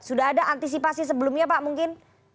sudah ada antisipasi sebelumnya pak mungkin